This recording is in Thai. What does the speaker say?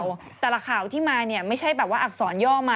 โอ้โหแต่ละข่าวที่มาเนี่ยไม่ใช่แบบว่าอักษรย่อมา